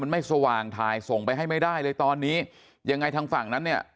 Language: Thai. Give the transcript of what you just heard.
ไม่สว่างถ่ายส่งไปให้ไม่ได้เลยตอนนี้ยังไงทางฝั่งนั้นเนี่ย